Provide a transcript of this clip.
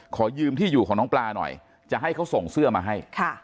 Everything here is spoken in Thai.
ขอยืมที่อยู่ของน้องปลาหน่อยจะให้เขาส่งเสื้อมาให้